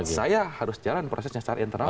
saya harus jalan prosesnya secara internal